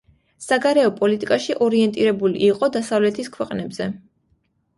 საგარეო პოლიტიკაში ორიენტირებული იყო დასავლეთის ქვეყნებზე.